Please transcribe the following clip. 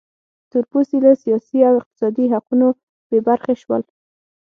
تور پوستي له سیاسي او اقتصادي حقونو بې برخې شول.